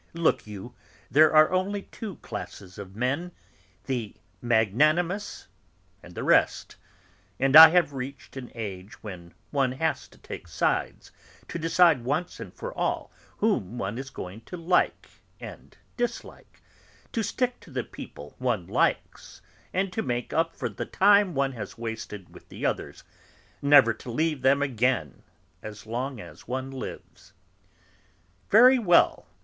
Look you, there are only two classes of men, the magnanimous, and the rest; and I have reached an age when one has to take sides, to decide once and for all whom one is going to like and dislike, to stick to the people one likes, and, to make up for the time one has wasted with the others, never to leave them again as long as one lives. Very well!"